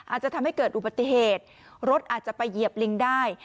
อาจจะทำให้เกิดอุบัติเหตุรถอาจจะไปเหยียบลิงได้